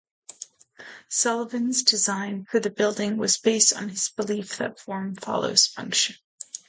Sullivan's design for the building was based on his belief that "form follows function".